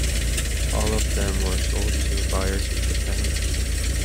All of them were sold to buyers in Japan.